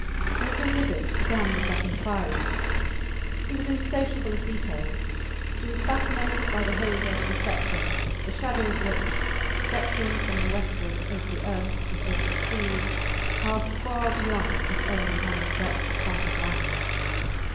Every visit began with that inquiry; he was insatiable of details; he was fascinated by the holder of a sceptre the shadow of which, stretching from the westward over the earth and over the seas, passed far beyond his own hands breadth of conquered land.